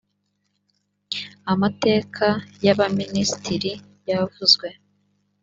amateka ya ba minisitiri yavuzwe